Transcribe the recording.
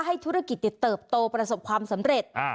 ให้ธุรกิจเติบโตประสบความสำเร็จ